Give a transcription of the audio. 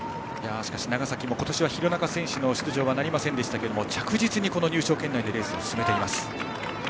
しかし長崎も今年は廣中選手の出場なりませんが着実に入賞圏内でレースを進めています。